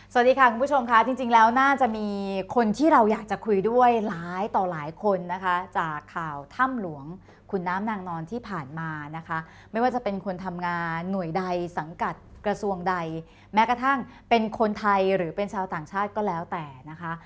สวัสดีค่ะคุณผู้ชมค่ะจริงแล้วน่าจะมีคนที่เราอยากจะคุยด้วยหลายต่อหลายคนนะคะจากข่าวถ้ำหลวงขุนน้ำนางนอนที่ผ่านมานะคะไม่ว่าจะเป็นคนทำงานหน่วยใดสังกัดกระทรวงใดแม้กระทั่งเป็นคนไทยหรือเป็นชาวต่างชาติก็แล้วแต่นะคะ